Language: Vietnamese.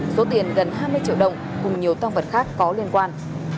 số tiền gần hai mươi triệu đồng cùng nhiều tăng vật khác có liên quan